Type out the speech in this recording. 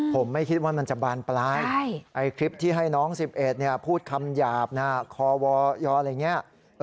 ผมไม่คิดว่ามันจะบานปลายคลิปที่ให้น้อง๑๑พูดคำหยาบคอวยอะไรอย่างนี้